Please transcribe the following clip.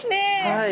はい。